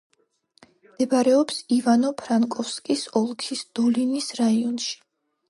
მდებარეობს ივანო-ფრანკოვსკის ოლქის დოლინის რაიონში.